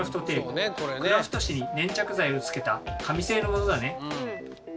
クラフト紙に粘着剤をつけた紙製のものだね。